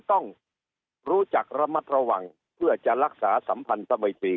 ต้องรู้จักระมัดระวังเพื่อจะรักษาสัมพันธมิตรี